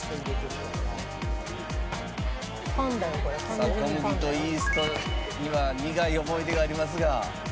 小麦とイーストには苦い思い出がありますが。